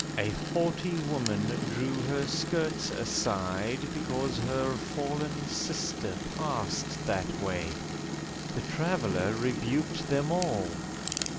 A haughty woman drew her skirts aside Because her fallen sister passed that way. The Traveller rebuked them all.